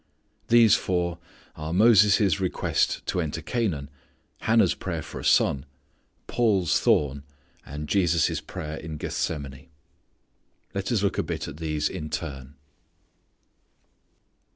These four are Moses' request to enter Canaan; Hannah's prayer for a son; Paul's thorn; and Jesus' prayer in Gethsemane. Let us look a bit at these in turn.